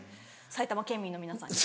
埼玉県民の皆さんに。